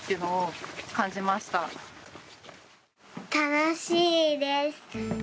楽しいです。